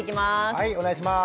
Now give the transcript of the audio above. はいお願いします。